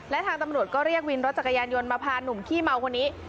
และทางตำรวจก็เรียกวินรถจักรยานยนต์มาพาหนุ่มขี้เมาคนนี้